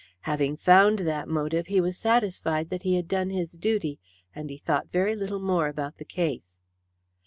Having found that motive, he was satisfied that he had done his duty, and he thought very little more about the case.